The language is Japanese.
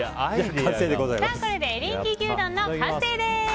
これでエリンギ牛丼の完成です。